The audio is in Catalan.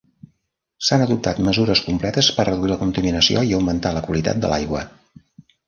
S'han adoptat mesures completes per reduir la contaminació i augmentar la qualitat de l'aigua.